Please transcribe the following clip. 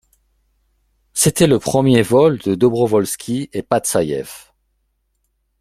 C’était le premier vol de Dobrovolski et Patsaïev.